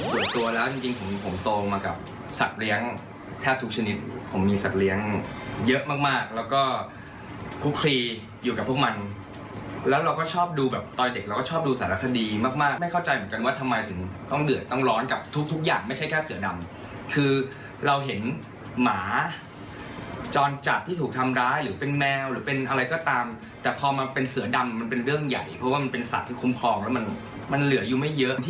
กลัวตัวแล้วจริงจริงผมผมโตมากับสัตว์เลี้ยงแทบทุกชนิดผมมีสัตว์เลี้ยงเยอะมากมากแล้วก็คุกคลีอยู่กับพวกมันแล้วเราก็ชอบดูแบบต่อยเด็กเราก็ชอบดูสารคดีมากมากไม่เข้าใจเหมือนกันว่าทำไมถึงต้องเดือดต้องร้อนกับทุกทุกอย่างไม่ใช่แค่เสือดำคือเราเห็นหมาจรจัดที่ถูกทำร้ายหรือเป็นแมวห